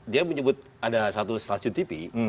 dia menyebut ada satu stasiun tv